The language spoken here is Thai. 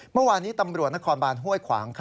เมื่อวานนี้ตำรวจนครบานห้วยขวาง